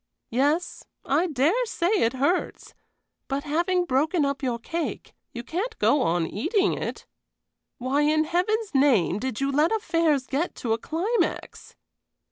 "Yes, I dare say it hurts; but having broken up your cake, you can't go on eating it. Why, in Heaven's name, did you let affairs get to a climax?"